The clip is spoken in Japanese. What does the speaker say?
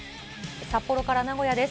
札幌から名古屋です。